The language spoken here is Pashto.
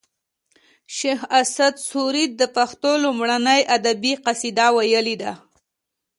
شیخ اسعد سوري د پښتو لومړنۍ ادبي قصیده ویلې ده